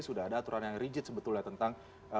sudah ada aturan yang rigid sebetulnya tentang